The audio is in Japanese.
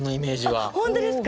あっ本当ですか。